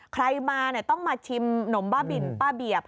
ใครมาต้องมาชิมหนมบ้าบินป้าเบียบ